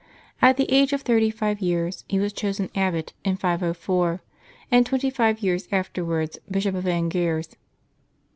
At the age of thirty five years he was chosen abbot, in 504, and twenty five 5'ears afterwards Bishop of Angers.